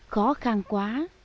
khó khăn quá